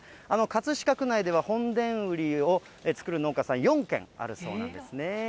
葛飾区内では、本田ウリを作る農家さん４軒あるそうなんですね。